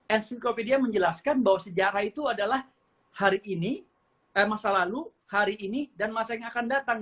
encyclopedia menjelaskan bahwa sejarah itu adalah masa lalu hari ini dan masa yang akan datang